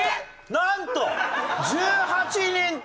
なんと１８人と。